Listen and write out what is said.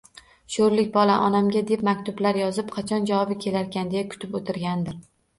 Sho`rlik bola, onamga deb maktublar yozib, qachon javobi kelarkan deya kutib o`tirgandir